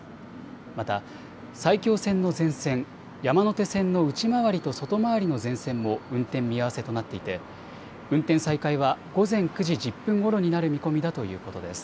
また埼京線の全線、山手線の内回りと外回りの全線も運転見合わせとなっていて運転再開は午前９時１０分ごろになる見込みだということです。